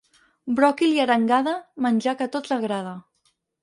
Bròquil i arengada, menjar que a tots agrada.